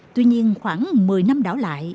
tuy nhiên khoảng một mươi năm đảo lại